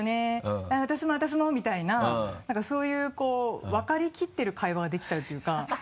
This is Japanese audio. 「あっ私も私も」みたいな何かそういう分かりきってる会話ができちゃうというか。